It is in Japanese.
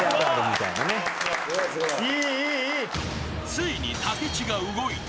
［ついに武智が動いた］